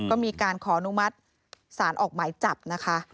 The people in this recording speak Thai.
ก็มีการขออนุมัติศาลออกหมายจับนะคะ